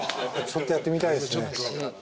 やってみたいですね。